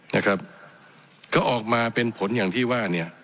นะครับก็ออกมาเป็นผลอย่างที่ว่าเนี่ย